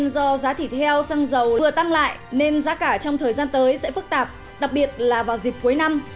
cao xăng dầu vừa tăng lại nên giá cả trong thời gian tới sẽ phức tạp đặc biệt là vào dịp cuối năm